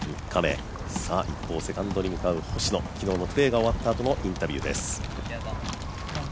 一方、セカンドに向かう星野、昨日のプレーが終わったあとのインタビューです。